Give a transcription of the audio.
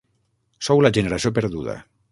Sou la generació perduda.